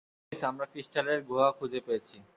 Mavis, আমরা ক্রিস্টালের গুহা খুঁজে পেয়েছি।